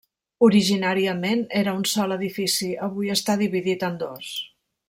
Originàriament era un sol edifici; avui està dividit en dos.